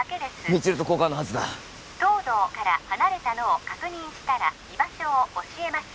未知留と交換のはずだ東堂から離れたのを確認したら居場所を教えます